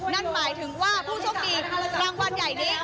นั่นหมายถึงว่าผู้โชคดีรางวัลใหญ่นี้